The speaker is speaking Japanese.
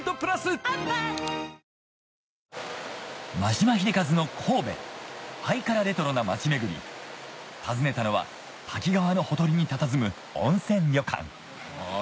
眞島秀和の神戸ハイカラレトロな町巡り訪ねたのは滝川のほとりにたたずむ温泉旅館あ